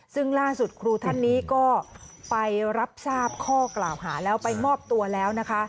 ซึ่งล่าสุดครูท่านนี้ก็ไปรับทราบข้อกล่าวหาแล้วไปมอบตัวแล้วนะคะ